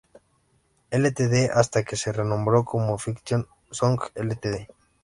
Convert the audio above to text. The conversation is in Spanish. Ltd hasta que se renombró como Fiction Songs Ltd.